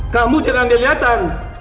kamu jangan dilihatan